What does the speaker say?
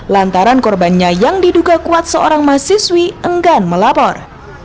lantaran korbannya yang diduga kuat seorang mahasiswi enggan melapor